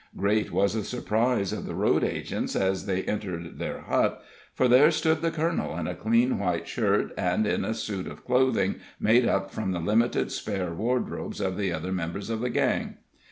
Great was the surprise of the road agents as they entered their hut, for there stood the colonel in a clean white shirt, and in a suit of clothing made up from the limited spare wardrobes of the other members of the gang.